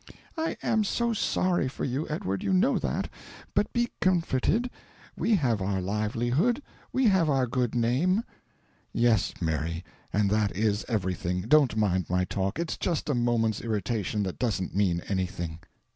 "I am so sorry for you, Edward, you know that; but be comforted; we have our livelihood; we have our good name " "Yes, Mary, and that is everything. Don't mind my talk it's just a moment's irritation and doesn't mean anything.